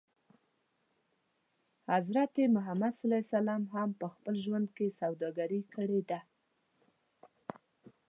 حضرت محمد ص هم په خپل ژوند کې سوداګري کړې ده.